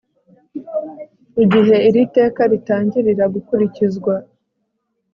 igihe iri teka ritangirira gukurikizwa